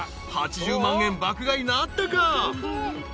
［８０万円爆買いなったか？］